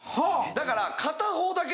だから。